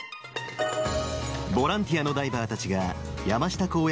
ボランティアのダイバーたちが、山下公園